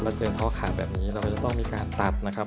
เจอข้อขาแบบนี้เราจะต้องมีการตัดนะครับ